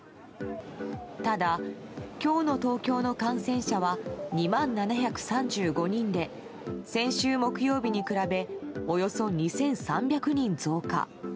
ただ、今日の東京の感染者は２万７３５人で先週木曜日に比べおよそ２３００人増加。